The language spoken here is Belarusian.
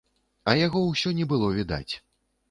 А яго ўсё не было відаць.